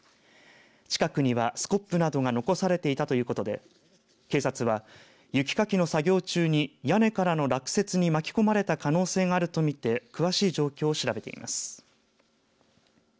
近くにはスコップなどが残されていたということで警察は雪かきの作業中に屋根からの落雪に巻き込まれた可能性があるとみて詳しい状況を調べています。